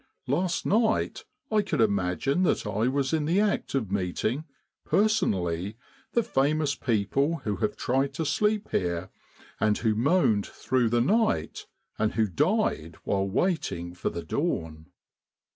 Last night I could imagine that I was in the act of meeting, personally, the famous people who have tried to sleep here and who moaned through the night and who died while waiting for the dawn.